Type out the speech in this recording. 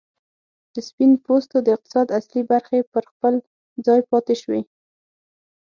د سپین پوستو د اقتصاد اصلي برخې پر خپل ځای پاتې شوې.